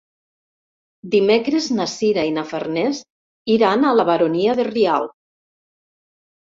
Dimecres na Sira i na Farners iran a la Baronia de Rialb.